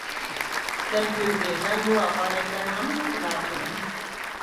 دەپ يۈردى. مەن بۇ ھاقارەتلەرنىڭ ھەممىنى خۇداغا قويدۇم!